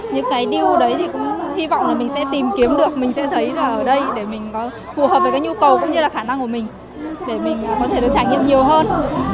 những cái điều đấy thì cũng hy vọng là mình sẽ tìm kiếm được mình sẽ thấy là ở đây để mình có phù hợp với cái nhu cầu cũng như là khả năng của mình để mình có thể được trải nghiệm nhiều hơn